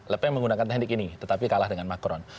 lepeng menggunakan teknik ini tetapi kalah dengan macron